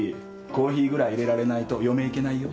コーヒーぐらい入れられないと嫁行けないよ。